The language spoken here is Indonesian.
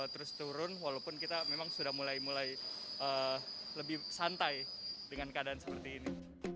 terus turun walaupun kita memang sudah mulai mulai lebih santai dengan keadaan seperti ini